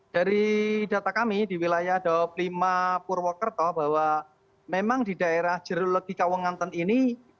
dari data kami di wilayah daob lima purwokerto bahwa memang di daerah jerologi kawanganten ini